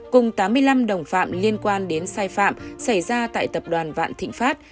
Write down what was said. cùng tám mươi năm đồng phạm liên quan đến sai phạm xảy ra tại tập đoàn vạn thịnh pháp